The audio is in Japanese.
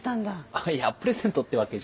あっいやプレゼントってわけじゃ。